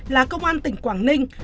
là công an tỉnh quảng ninh